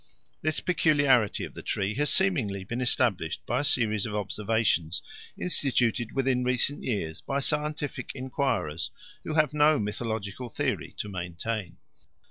This peculiarity of the tree has seemingly been established by a series of observations instituted within recent years by scientific enquirers who have no mythological theory to maintain.